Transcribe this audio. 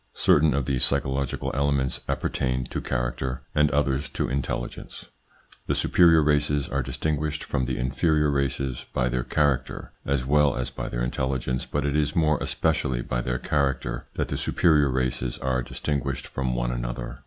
Certain of these psychological elements appertain to character, and others to the intelligence. The superior races are distinguished from the inferior races by their character as well as by their intelligence, but it is more especially by their character that the superior races are distinguished from one another.